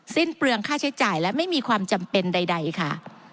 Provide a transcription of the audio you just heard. สิ้นเปลืองค่าใช้จ่ายและไม่มีความจำเป็นใดค่ะ